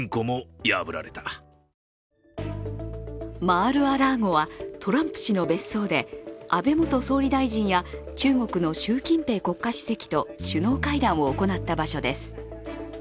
マール・ア・ラーゴはトランプ氏の別荘で、安倍元総理大臣や中国の習近平国家主席と首脳会談を行った場所です。